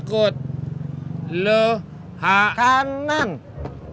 kenapa nggak sekalian aja kamu minta kerjaan juga sama saya